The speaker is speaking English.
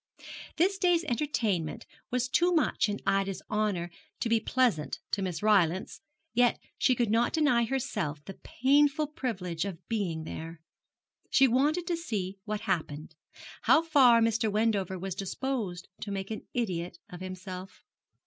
This day's entertainment was too much in Ida's honour to be pleasant to Miss Rylance; yet she could not deny herself the painful privilege of being there. She wanted to see what happened how far Mr. Wendover was disposed to make an idiot of himself.